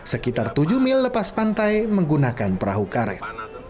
sekitar tujuh mil lepas pantai menggunakan perahu karet